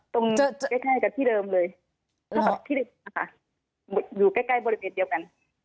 ตรงใกล้กับที่เดิมเลยอยู่ใกล้บริเวณเดียวกัน